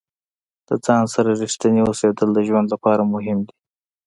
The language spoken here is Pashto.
د ځان سره ریښتیني اوسیدل د ژوند لپاره مهم دي.